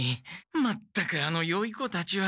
全くあのよい子たちは。